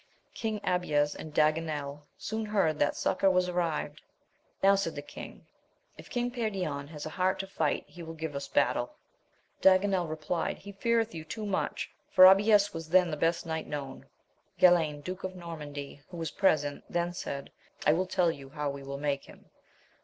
King Abies and Daganel soon heard that succour was arrived. Now, said the king, if King Perion has a heart to fight he will give us battle. Daganel re plied, he feareth you too much, for Abies was then the best knight known. Galayn, Duke of Normandy, who was present, then said, I will tell you how Ave will make him.